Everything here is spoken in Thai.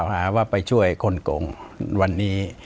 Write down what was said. ปากกับภาคภูมิ